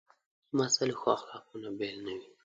لمسی له ښو اخلاقو نه بېل نه وي.